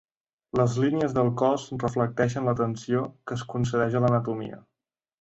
Les línies del cos reflecteixen l'atenció que es concedeix a l'anatomia.